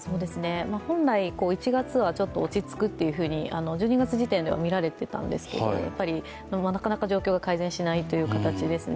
本来、１月はちょっと落ち着くと１２月時点ではみられていたんですが、なかなか状況が改善しないという形ですね。